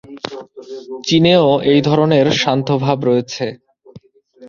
চীনেও এই ধরনের শান্তভাব রয়েছে।